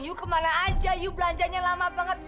yuk kemana aja yuk belanjanya lama banget